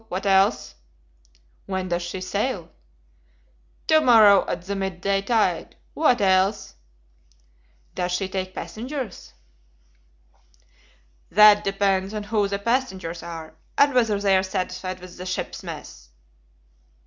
What else?" "When does she sail?" "To morrow at the mid day tide. What else?" "Does she take passengers?" "That depends on who the passengers are, and whether they are satisfied with the ship's mess."